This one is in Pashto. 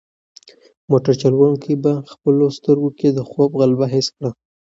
موټر چلونکی په خپلو سترګو کې د خوب غلبه حس کړه.